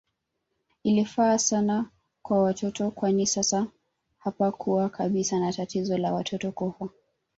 Ilifaa sana kwa watoto kwani sasa hapakuwa kabisa na tatizo la watoto kufa